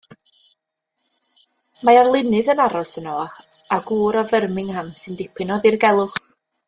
Mae arlunydd yn aros yno a gŵr o Firmingham sy'n dipyn o ddirgelwch.